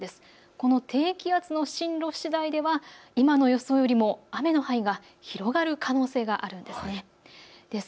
この低気圧の進路しだいでは今の予想よりも雨の範囲が広がる可能性があるんです。